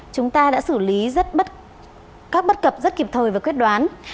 chúng ta đã xử lý rất bất cập rất kịp thời và quyết đoán